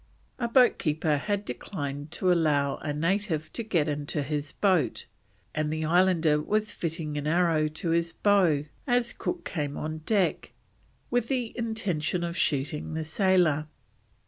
A boat keeper had declined to allow a native to get into his boat, and the islander was fitting an arrow to his bow as Cook came on deck, with the intention of shooting the sailor.